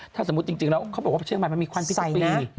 ถ้าสมมุติจริงแล้วเขาบอกว่าเชียงใหม่มันมีควัน๑๐ปี